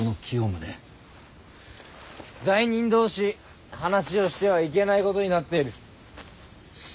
罪人同士話をしてはいけないことになっている。